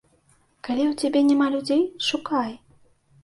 Калі ў цябе няма людзей, шукай.